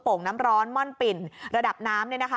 ่งน้ำร้อนม่อนปิ่นระดับน้ำเนี่ยนะคะ